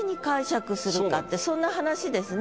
そんな話ですね。